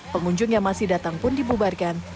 pengunjung yang masih datang pun dibubarkan